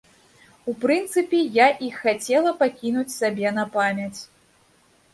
У прынцыпе, я іх хацела пакінуць сабе на памяць.